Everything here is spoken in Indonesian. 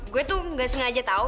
gue tuh gak sengaja tau